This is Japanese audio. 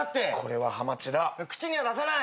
口には出さない。